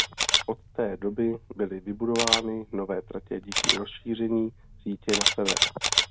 Od té doby byly vybudovány nové tratě díky rozšíření sítě na sever.